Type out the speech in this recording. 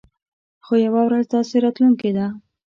خو يوه ورځ داسې راتلونکې ده.